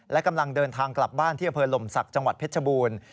และกำลังเดินทางกลับบ้านที่อำเภอหลมศักดิ์จังหวัดเพชรบูรณ์